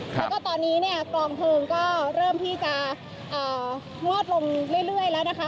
แล้วก็ตอนนี้เนี่ยกลองเพลิงก็เริ่มที่จะงวดลงเรื่อยแล้วนะคะ